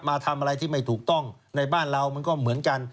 มาทำอะไรที่ไม่ถูกต้องในบ้านเรามันก็เหมือนกัน